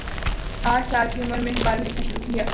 آٹھ سال کی عمر میں اخبار میں لکھنا شروع کیا